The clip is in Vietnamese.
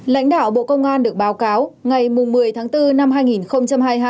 lãnh đạo bộ công an được báo cáo ngày một mươi tháng bốn năm hai nghìn hai mươi hai